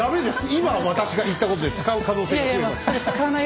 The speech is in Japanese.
今私が言ったことで使う可能性が増えました。